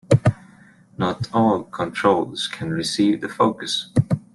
Not all controls can receive the focus.